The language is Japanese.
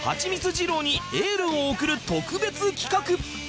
二郎にエールを送る特別企画